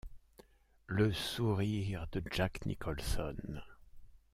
Le sourire de Jack Nicholson.